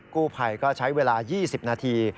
กู้ภัยก็ใช้เวลา๒๐นาที